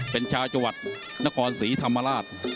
เป็นชาวจังหวัดนครศรีธรรมราช